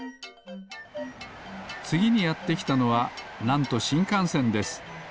つぎにやってきたのはなんとしんかんせんです。